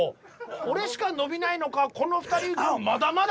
俺しか伸びないのかこの２人まだまだ伸びるのか。